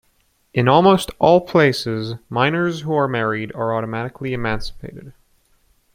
In almost all places, minors who are married are automatically emancipated.